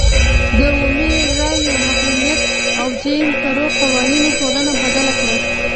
د عمومي رایو محرومیت او جیم کرو قوانینو ټولنه بدله کړه.